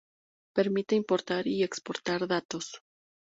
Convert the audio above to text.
Permite importar y exportar datos.